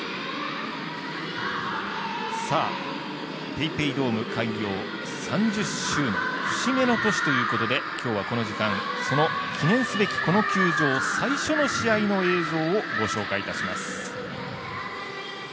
ＰａｙＰａｙドーム開業３０周年、節目の年ということで今日は、この時間その記念すべき、この球場最初の試合の映像をご紹介いたします。